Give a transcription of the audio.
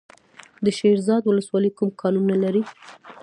د شیرزاد ولسوالۍ کوم کانونه لري؟